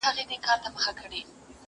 ښايستو نجونو به گرځول جامونه؛